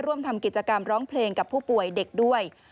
ร่วมทำกิจกรรมร้องเพลงกับผู้ป่วยเด็กด้วย